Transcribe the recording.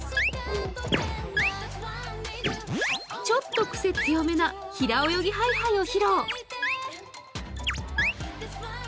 ちょっと癖強めな平泳ぎハイハイを披露。